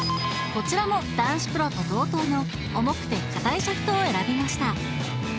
こちらも男子プロと同等の重くて硬いシャフトを選びました